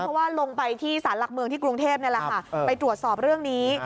เพราะว่าลงไปที่สารหลักเมืองที่กรุงเทพนี่แหละค่ะไปตรวจสอบเรื่องนี้